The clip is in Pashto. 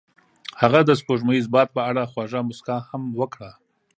هغې د سپوږمیز باد په اړه خوږه موسکا هم وکړه.